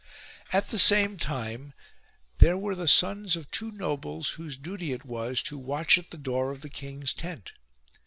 3. At the same time there were the sons of two nobles whose duty it was to watch at the door of the king's tent.